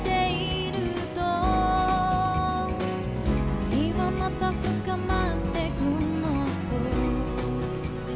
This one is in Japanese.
「愛はまた深まってくの』と」